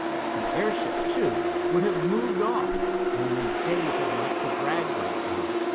The airship, too, would have moved off, only Dave had left the drag brake on.